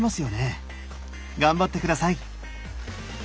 頑張って下さい！